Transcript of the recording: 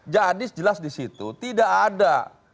jadi jelas di situ tidak ada